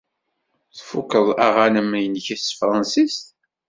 Tfuked aɣanen-nnek n tefṛensist?